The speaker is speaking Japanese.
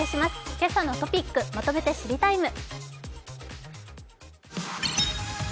「けさのトピックまとめて知りＴＩＭＥ，」。